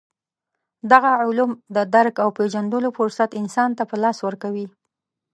دغه علوم د درک او پېژندلو فرصت انسان ته په لاس ورکوي.